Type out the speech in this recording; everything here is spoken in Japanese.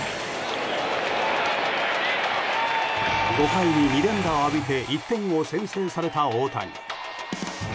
５回に２連打を浴びて１点を先制された大谷。